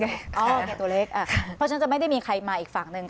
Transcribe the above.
แกตัวเล็กเพราะฉะนั้นจะไม่ได้มีใครมาอีกฝั่งหนึ่ง